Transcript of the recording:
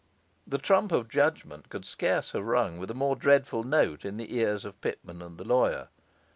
The trump of judgement could scarce have rung with a more dreadful note in the ears of Pitman and the lawyer.